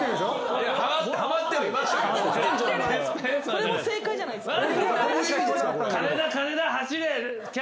・これも正解じゃないですか？